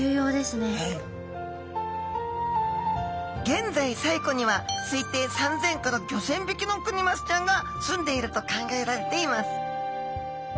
現在西湖には推定３，０００５，０００匹のクニマスちゃんがすんでいると考えられています。